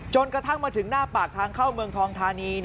กระทั่งมาถึงหน้าปากทางเข้าเมืองทองธานี